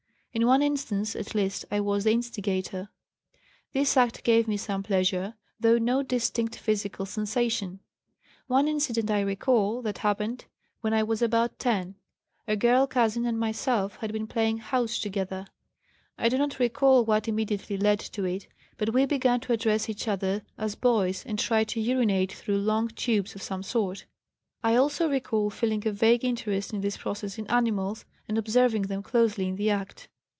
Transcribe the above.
In one instance, at least, I was the instigator. This act gave me some pleasure, though no distinct physical sensation. One incident I recall that happened when I was about 10. A girl cousin and myself had been playing 'house' together. I do not recall what immediately led to it, but we began to address each other as boys and tried to urinate through long tubes of some sort. I also recall feeling a vague interest in this process in animals, and observing them closely in the act.